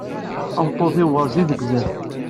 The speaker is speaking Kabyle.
Tameṭṭut-iw werǧin tegza-t.